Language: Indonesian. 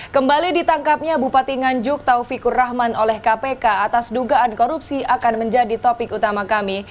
kembali ditangkapnya bupati nganjuk taufikur rahman oleh kpk atas dugaan korupsi akan menjadi topik utama kami